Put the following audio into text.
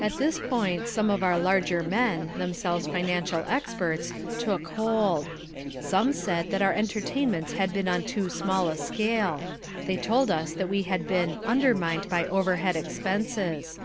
At this point some of our larger men, themselves financial experts, took hold. They said that our entertainments had been on too small a scale. They told us that we had been "undermined by overhead expenses."